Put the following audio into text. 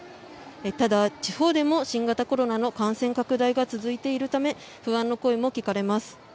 ただ、地方でも新型コロナの感染拡大が続いているため不安の声も聞かれます。